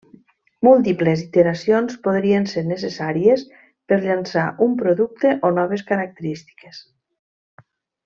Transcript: Múltiples iteracions podrien ser necessàries per llançar un producte o noves característiques.